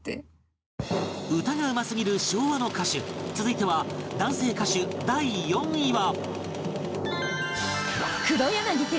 歌がうますぎる昭和の歌手続いては男性歌手第４位は